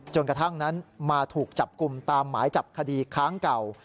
กระทั่งนั้นมาถูกจับกลุ่มตามหมายจับคดีค้างเก่า